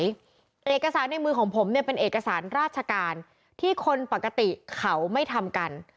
เอกสารในมือของผมเนี่ยเป็นเอกสารราชการที่คนปกติเขาไม่ทำกัน